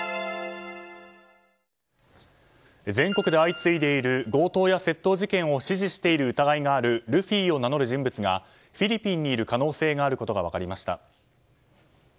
全国で相次いでいる強盗や窃盗事件を指示している疑いがあるルフィを名乗る人物がフィリピンにいる可能性があることが分かりました。